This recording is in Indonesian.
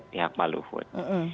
pihak pak luhut